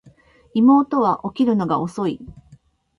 妹は起きるのが遅い